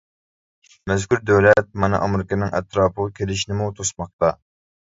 مەزكۇر دۆلەت مانا ئامېرىكىنىڭ ئەتراپىغا كېلىشىنىمۇ توسماقتا.